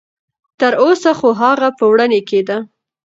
تر اوسه خو هغه په وړوني کې ده.